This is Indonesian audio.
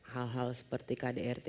hal hal seperti kdrt